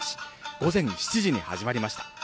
午前７時に始まりました。